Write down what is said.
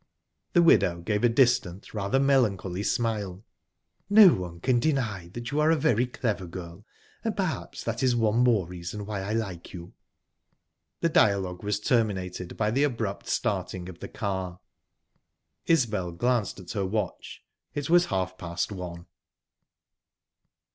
The widow gave a distant, rather melancholy smile. "No one can deny that you are a very clever girl, and perhaps that is one more reason why I like you." The dialogue was terminated by the abrupt starting of the car. Isbel glanced at her watch. It was half past one.